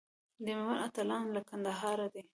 د میوند اتلان له کندهاره دي.